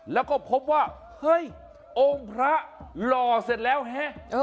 แล้วก็พบว่าเฮ้ยองค์พระหล่อเสร็จแล้วฮะ